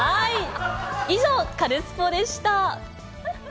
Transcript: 以上、カルスポっ！でした。